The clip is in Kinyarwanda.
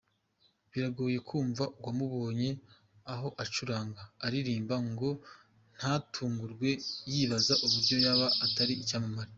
Biragoye kumva uwamubonye aho acuranga, aririmba ngo ntatungurwe yibaza uburyo yaba atari icyamamare.